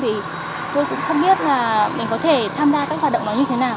thì tôi cũng không biết là mình có thể tham gia các hoạt động đó như thế nào